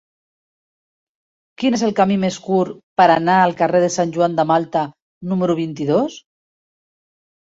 Quin és el camí més curt per anar al carrer de Sant Joan de Malta número vint-i-dos?